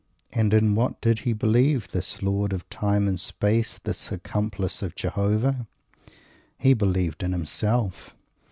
And in what did he believe, this Lord of Time and Space, this accomplice of Jehovah? He believed in Himself.